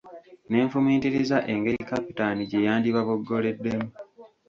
Ne nfumiitiriza engeri Kapitaani gye yandibaboggoleddemu.